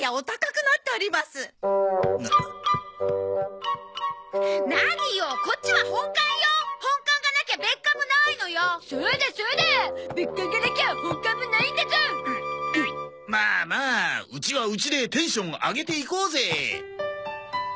まあまあうちはうちでテンション上げていこうぜ！